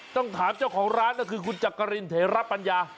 ต้องถามเจ้าของร้านก็คือคุณจักรินเถระปัญญา